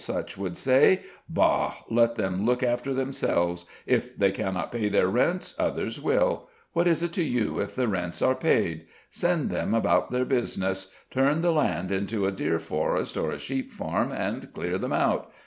such would say: 'Bah! Let them look after themselves! If they cannot pay their rents, others will; what is it to you if the rents are paid? Send them about their business; turn the land into a deer forest or a sheep farm, and clear them out!